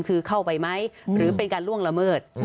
คือเข้าไปไหมหรือเป็นการล่วงละเมิด